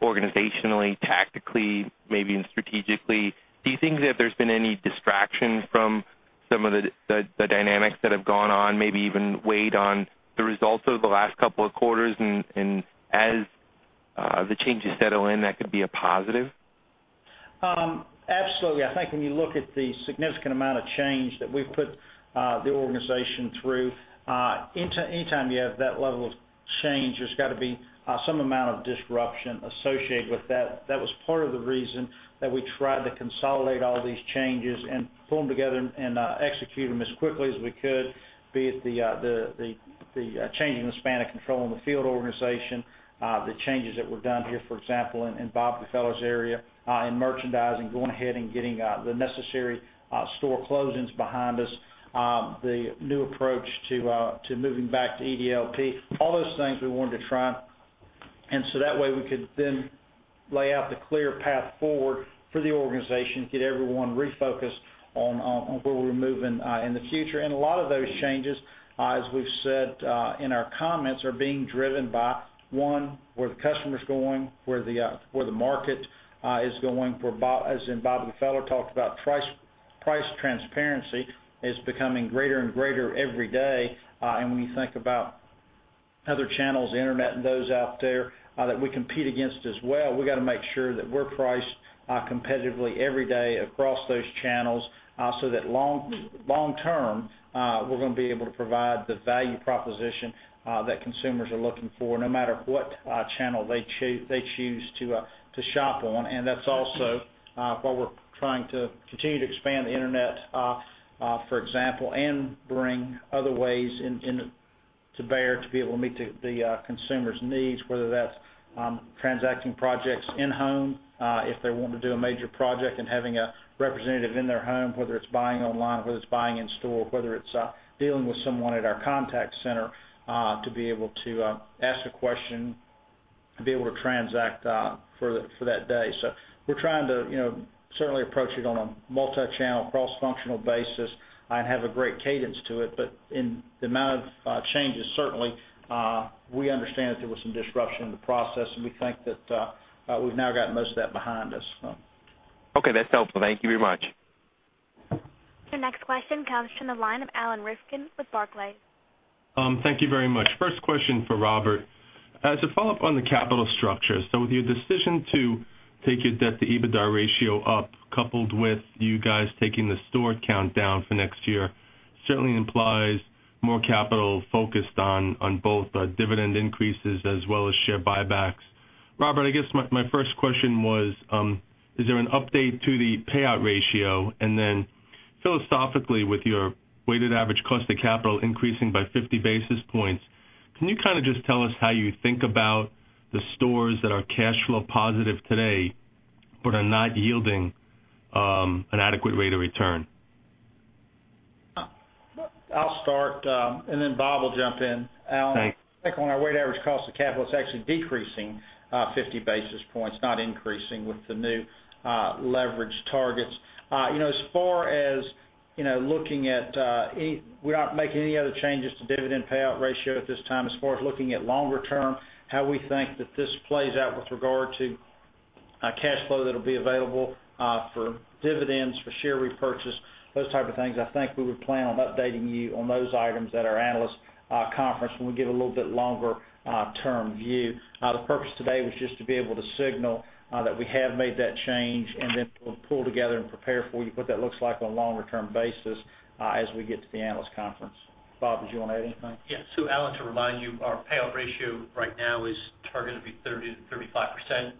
organizationally, tactically, maybe even strategically. Do you think that there's been any distraction from some of the dynamics that have gone on, maybe even weighed on the results over the last couple of quarters? As the changes settle in, that could be a positive? Absolutely. I think when you look at the significant amount of change that we've put the organization through, anytime you have that level of change, there's got to be some amount of disruption associated with that. That was part of the reason that we tried to consolidate all these changes and pull them together and execute them as quickly as we could, be it changing the span of control in the field organization, the changes that were done here, for example, in Bob Gfeller's area in merchandising, going ahead and getting the necessary store closings behind us, the new approach to moving back to EDLP, all those things we wanted to try. That way we could then lay out the clear path forward for the organization to get everyone refocused on where we're moving in the future. A lot of those changes, as we've said in our comments, are being driven by, one, where the customer's going, where the market is going, where Bob, as in Bob Gfeller, talked about, price transparency is becoming greater and greater every day. When you think about other channels, the internet, and those out there that we compete against as well, we got to make sure that we're priced competitively every day across those channels so that long-term, we're going to be able to provide the value proposition that consumers are looking for, no matter what channel they choose to shop on. That's also why we're trying to continue to expand the internet, for example, and bring other ways to bear to be able to meet the consumer's needs, whether that's transacting projects in-home, if they want to do a major project and having a representative in their home, whether it's buying online, whether it's buying in-store, whether it's dealing with someone at our contact center to be able to ask a question and be able to transact for that day. We're trying to certainly approach it on a multi-channel, cross-functional basis and have a great cadence to it. In the amount of changes, certainly, we understand that there was some disruption in the process, and we think that we've now gotten most of that behind us. Okay, that's helpful. Thank you very much. The next question comes from the line of Alan Rifkin with Barclays. Thank you very much. First question for Robert. As a follow-up on the capital structure, with your decision to take your debt to EBITDA ratio up, coupled with you guys taking the store count down for next year, it certainly implies more capital focused on both dividend increases as well as share buybacks. Robert, I guess my first question was, is there an update to the payout ratio? Philosophically, with your weighted average cost of capital increasing by 50 basis points, can you kind of just tell us how you think about the stores that are cash flow positive today but are not yielding an adequate rate of return? I'll start, and then Bob will jump in. Thanks. Alan, I think on our weighted average cost of capital, it's actually decreasing 50 basis points, not increasing with the new leverage targets. As far as looking at any, we're not making any other changes to dividend payout ratio at this time. As far as looking at longer term, how we think that this plays out with regard to cash flow that'll be available for dividends, for share repurchase, those types of things, I think we would plan on updating you on those items at our analyst conference when we give a little bit longer-term view. The purpose today was just to be able to signal that we have made that change and then pull together and prepare for you what that looks like on a longer-term basis as we get to the analyst conference. Bob, did you want to add anything? Yeah. Alan, to remind you, our payout ratio right now is targeted to be 30%-35%.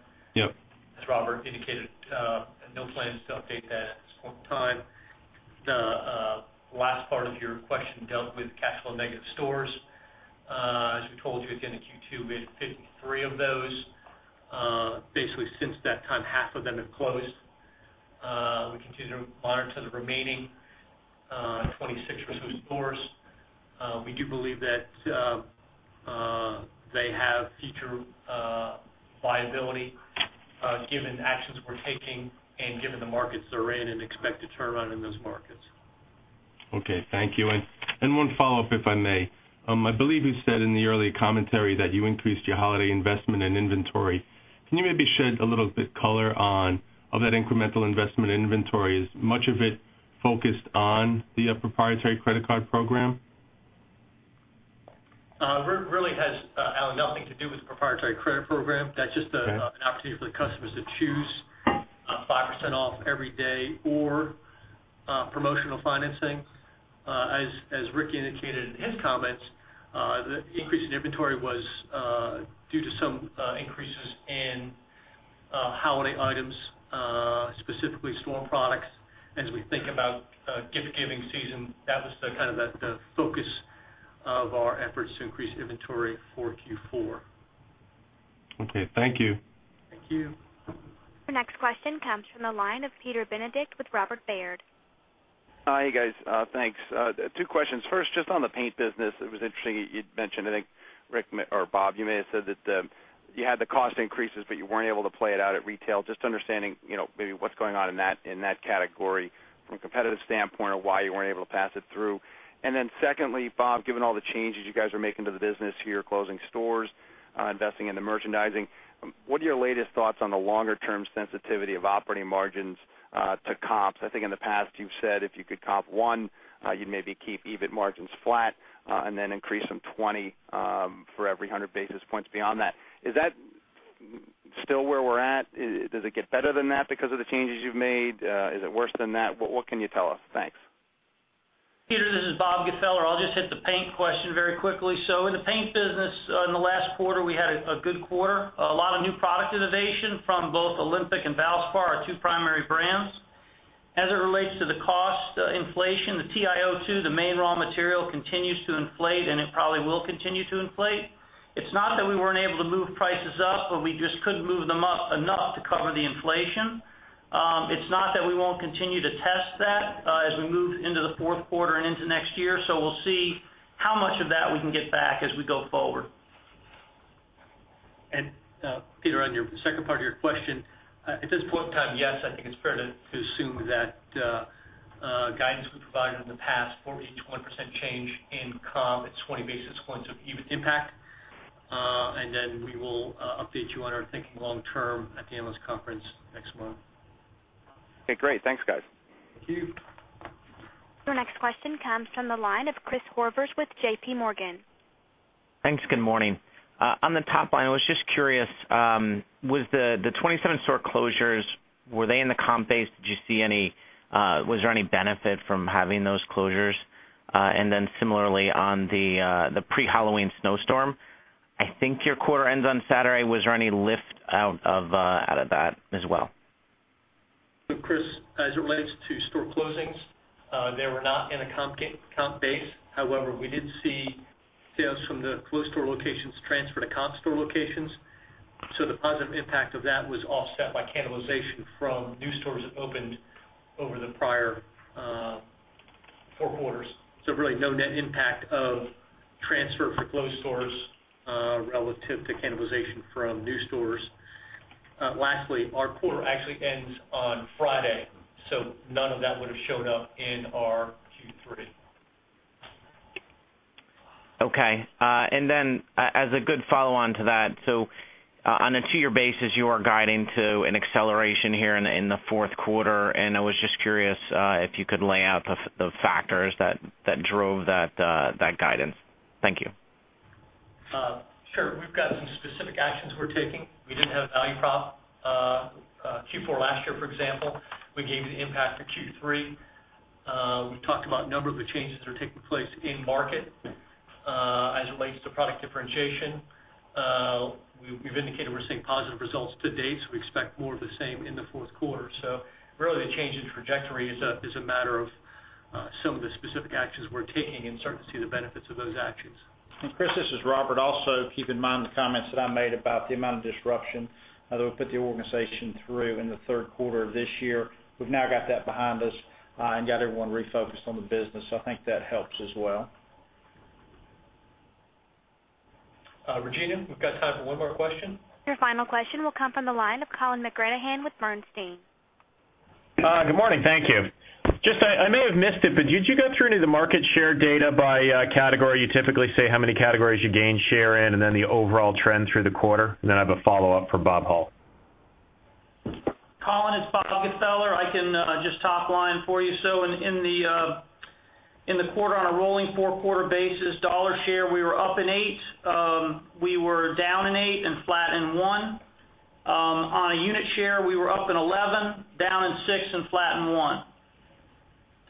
As Robert indicated, no plans to update that at this point in time. The last part of your question dealt with the cash flow negative stores. As we told you, at the end of Q2, we had 53 of those. Basically, since that time, half of them have closed. We continue to monitor the remaining 26 or so stores. We do believe that they have future viability given actions we're taking and given the markets they're in and expect a turnaround in those markets. Okay. Thank you. One follow-up, if I may. I believe you said in the earlier commentary that you increased your holiday investment and inventory. Can you maybe shed a little bit of color on that incremental investment and inventory? Is much of it focused on the proprietary credit card program? It really has, Alan, nothing to do with the proprietary credit program. That's just an opportunity for the customers to choose 5% off every day or promotional financing. As Rick indicated in his comments, the increase in inventory was due to some increases in holiday items, specifically store products. As we think about giving season, that was kind of the focus of our efforts to increase inventory for Q4. Okay, thank you. Thank you. Our next question comes from the line of Peter Benedict with Robert Baird. Hi, guys. Thanks. Two questions. First, just on the paint business, it was interesting you'd mentioned, I think, Rick or Bob, you may have said that you had the cost increases, but you weren't able to play it out at retail. Just understanding, you know, maybe what's going on in that category from a competitive standpoint or why you weren't able to pass it through. Secondly, Bob, given all the changes you guys are making to the business, you're closing stores, investing in the merchandising, what are your latest thoughts on the longer-term sensitivity of operating margins to comps? I think in the past, you've said if you could comp one, you'd maybe keep EBIT margins flat and then increase some 20 for every 100 basis points beyond that. Is that still where we're at? Does it get better than that because of the changes you've made? Is it worse than that? What can you tell us? Thanks. Peter, this is Bob Gfeller. I'll just hit the paint question very quickly. In the paint business, in the last quarter, we had a good quarter, a lot of new product innovation from both Olympic and Valspar, our two primary brands. As it relates to the cost inflation, the TiO2, the main raw material, continues to inflate, and it probably will continue to inflate. It's not that we weren't able to move prices up, but we just couldn't move them up enough to cover the inflation. It's not that we won't continue to test that as we move into the fourth quarter and into next year. We'll see how much of that we can get back as we go forward. Peter, on your second part of your question, at this point in time, yes, I think it's pertinent to assume that guidance we provided in the past for each 1% change in comp at 20 basis points of EBIT impact. We will update you on our thinking long-term at the analyst conference next month. Okay. Great. Thanks, guys. Thank you. Our next question comes from the line of Chris Horvers with JP Morgan. Thanks. Good morning. On the top line, I was just curious, were the 27-store closures in the comp phase? Did you see any benefit from having those closures? Similarly, on the pre-Halloween snowstorm, I think your quarter ends on Saturday. Was there any lift out of that as well? As it relates to store closings, they were not in a comp phase. However, we did see sales from the closed store locations transfer to comp store locations. The positive impact of that was offset by cannibalization from new stores that opened over the prior four quarters. There was really no net impact of transfer for closed stores relative to cannibalization from new stores. Lastly, our quarter actually ends on Friday, so none of that would have shown up in our Q3. Okay. As a good follow-on to that, on a two-year basis, you are guiding to an acceleration here in the fourth quarter. I was just curious if you could lay out the factors that drove that guidance. Thank you. Sure. We've got some specific actions we're taking. We didn't have a value prop Q4 last year, for example. We gave you the impact of Q3. We've talked about a number of the changes that are taking place in market as it relates to product differentiation. We've indicated we're seeing positive results to date, and we expect more of the same in the fourth quarter. The change in trajectory is a matter of some of the specific actions we're taking and starting to see the benefits of those actions. Chris, this is Robert. Also, keep in mind the comments that I made about the amount of disruption that we put the organization through in the third quarter of this year. We've now got that behind us and got everyone refocused on the business. I think that helps as well. Regina, we've got time for one more question. Your final question will come from the line of Colin McGranahan with Bernstein. Good morning. Thank you. I may have missed it, but did you go through any of the market share data by category? You typically say how many categories you gain share in and the overall trend through the quarter. I have a follow-up for Bob Hull. Colin, it's Bob Gfeller. I can just top line for you. In the quarter, on a rolling four-quarter basis, dollar share, we were up in eight, we were down in eight, and flat in one. On a unit share, we were up in 11, down in six, and flat in one.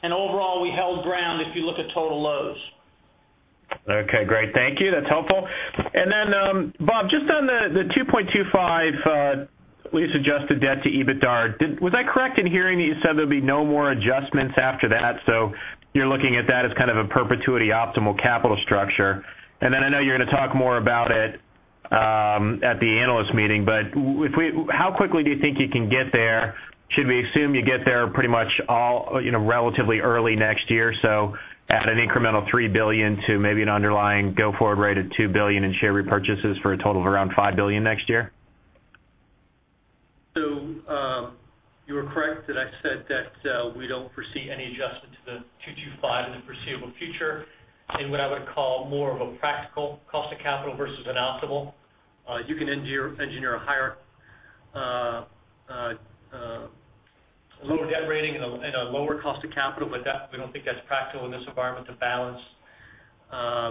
Overall, we held ground if you look at total Lowe's. Okay. Great. Thank you. That's helpful. Bob, just on the 2.25 lease-adjusted debt to EBITDA, was I correct in hearing that you said there'd be no more adjustments after that? You're looking at that as kind of a perpetuity optimal capital structure. I know you're going to talk more about it at the analyst meeting, but how quickly do you think you can get there? Should we assume you get there pretty much all relatively early next year? At an incremental $3 billion to maybe an underlying go-forward rate at $2 billion in share repurchases for a total of around $5 billion next year? You were correct that I said that we don't foresee any adjustment to the 2.25 in the foreseeable future. What I would call more of a practical cost of capital versus an optimal. You can engineer a higher low debt rating and a lower cost of capital, but we don't think that's practical in this environment to balance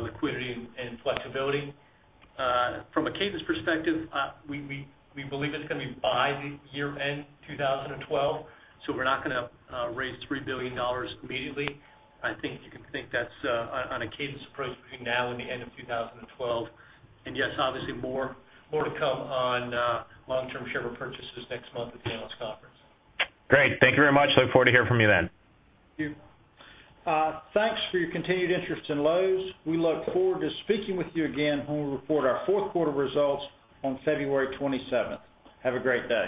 liquidity and flexibility. From a cadence perspective, we believe it's going to be by the year-end 2012. We're not going to raise $3 billion immediately. I think you could think that's on a cadence approach between now and the end of 2012. Yes, obviously, more to come on long-term share repurchases next month at the analyst conference. Great, thank you very much. Look forward to hearing from you then. Thank you. Thanks for your continued interest in Lowe's. We look forward to speaking with you again when we report our fourth quarter results on February 27. Have a great day.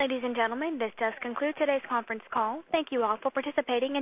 Ladies and gentlemen, this does conclude today's conference call. Thank you all for participating.